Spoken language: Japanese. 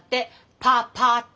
「パパ」って。